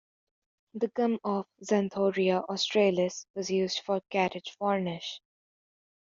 The gum of "Xanthorrhoea australis" was used for carriage varnish.